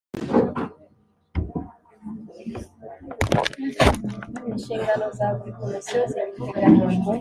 Inshingano za buri Komisiyo ziteganyijwe